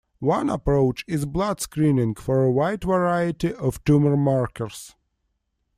One approach is blood screening for a wide variety of tumor markers.